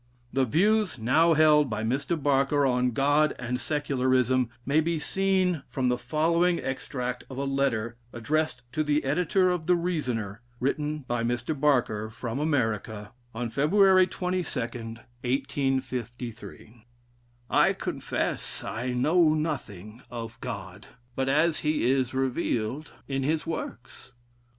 The views now held by Mr. Barker on "God" and Secularism may be seen from the following extract of a letter addressed to the Editor of the Reasoner, written by Mr. Barker from America, on February 22, 1853: "I confess I know nothing of God, but as he is revealed in his works.